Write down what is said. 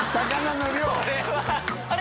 あれ？